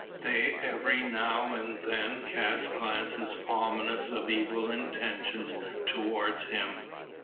They every now and then cast glances ominous of evil intentions towards him.